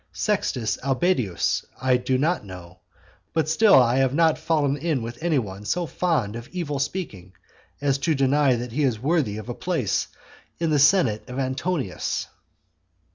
Sextus Albedius I do not know, but still I have not fallen in with any one so fond of evil speaking, as to deny that he is worthy of a place in the senate of Antonius.